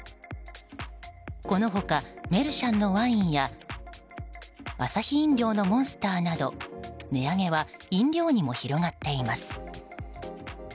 この他、メルシャンのワインやアサヒ飲料のモンスターなど値上げは飲料にも広がっています。